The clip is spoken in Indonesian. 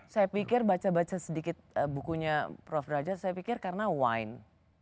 saya pikir baca baca sedikit bukunya prof derajat saya pikir karena wine